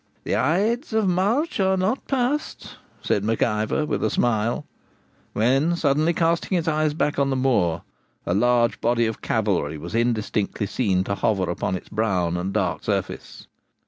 'The ides of March are not past,' said Mac Ivor, with a smile; when, suddenly casting his eyes back on the moor, a large body of cavalry was indistinctly seen to hover upon its brown and dark surface.